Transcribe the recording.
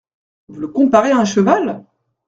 Vous le comparez à un cheval !